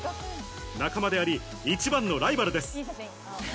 仲間であり、一番のライバルです。